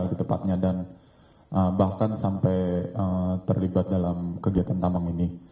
begitu tepatnya dan bahkan sampai terlibat dalam kegiatan tambang ini